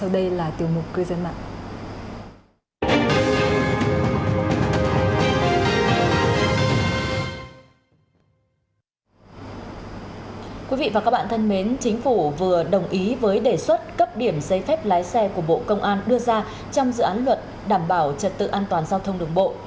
thưa quý vị và các bạn thân mến chính phủ vừa đồng ý với đề xuất cấp điểm giấy phép lái xe của bộ công an đưa ra trong dự án luật đảm bảo trật tự an toàn giao thông đường bộ